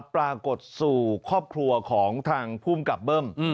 ปรากฏสู่ครอบครัวของทางภูมิกับเบิ้ม